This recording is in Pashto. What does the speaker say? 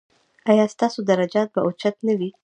ایا ستاسو درجات به اوچت نه وي؟